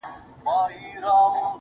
مـاتــه يــاديـــده اشـــــنـــا,